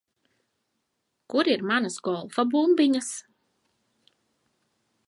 Kur ir manas golfa bumbiņas?